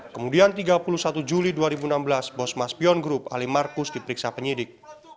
kemudian tiga puluh satu juli dua ribu enam belas bos mas pion group ali markus diperiksa penyidik